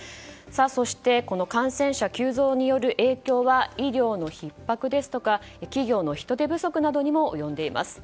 そして、感染者急増による影響は医療のひっ迫ですとか企業の人手不足などにも及んでいます。